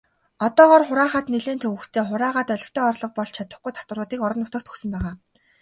Одоогоор хураахад нэлээн төвөгтэй, хураагаад олигтой орлого болж чадахгүй татваруудыг орон нутагт өгсөн байгаа.